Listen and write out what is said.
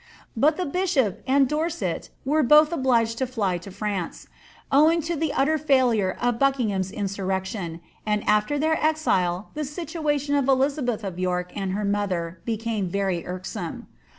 But the bishop and Dorset were both obliged to fly to France, owing to the utter failure of Buckingham's in surrection, and ader their exile the situation of Elizabeth of York and her mother became very irksome.